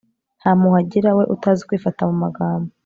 nta mpuhwe agira, we utazi kwifata mu magambo